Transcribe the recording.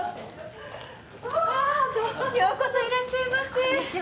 ようこそいらっしゃいませ。